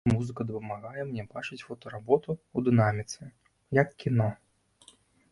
Музыка дапамагае мне бачыць фотаработу ў дынаміцы, як кіно!